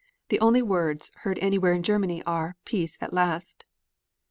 The only words heard anywhere in Germany are 'Peace at last'."